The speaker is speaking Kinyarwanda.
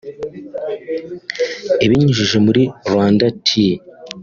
Ibinyujije muri “Rwanda Tea